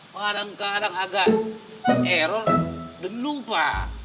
kadang kadang agak erol dan lupa